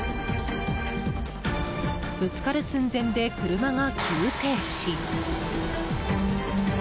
ぶつかる寸前で車が急停止。